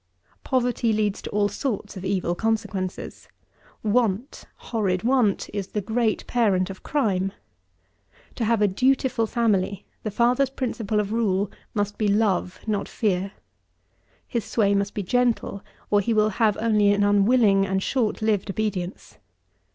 18. Poverty leads to all sorts of evil consequences. Want, horrid want, is the great parent of crime. To have a dutiful family, the father's principle of rule must be love not fear. His sway must be gentle, or he will have only an unwilling and short lived obedience.